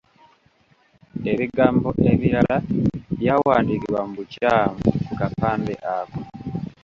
Ebigambo ebirala byawandiikibwa mu bukyamu ku kapande ako.